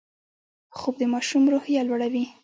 خوب د ماشوم روحیه لوړوي